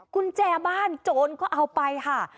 กุญแจบ้านโจรก็เอาไปค่ะ